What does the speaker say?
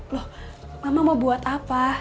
loh mama mau buat apa